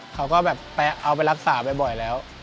เขาก็แบบไปเอาไปรักษาบ่อยแล้ว